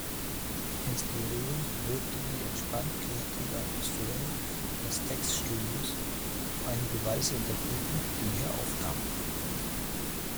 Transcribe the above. Inspirierend wirkte die entspannt-kreative Atmosphäre der Stax-Studios auf einige weiße Interpreten, die hier aufnahmen.